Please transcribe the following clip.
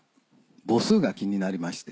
母数が気になりまして。